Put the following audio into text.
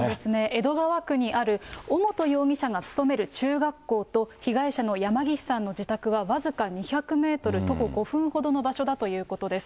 江戸川区にある、尾本容疑者が勤める中学校と、被害者の山岸さんの自宅は僅か２００メートル、徒歩５分ほどの場所だということです。